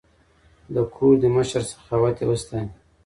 د کوردي مشر سخاوت یې وستایه.